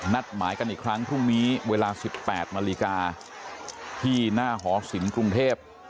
นัดหมายกันอีกครั้งพรุ่งนี้เวลา๑๘นาฬิกาที่หน้าหอศิลป์กรุงเทพ